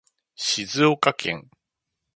静岡県